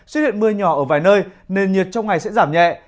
xuất hiện mưa nhỏ ở vài nơi nền nhiệt trong ngày sẽ giảm nhẹ